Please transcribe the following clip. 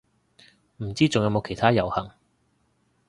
唔知仲有冇其他遊行